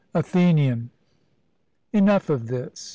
ATHENIAN: Enough of this.